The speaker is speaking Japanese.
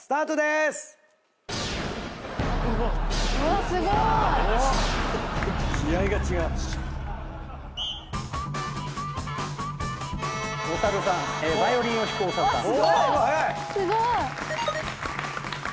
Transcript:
すごーい！